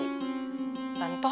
jangan mengulang kembali